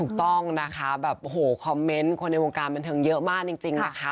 ถูกต้องนะคะแบบโอ้โหคอมเมนต์คนในวงการบันเทิงเยอะมากจริงนะคะ